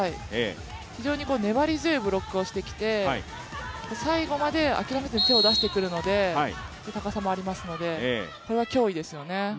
非常に粘り強いブロックをしてきて最後まで諦めずに手を出してくるので高さもありますので、これは脅威ですよね。